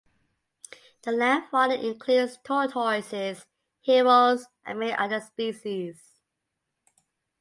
The land fauna includes tortoises, herons and many other species.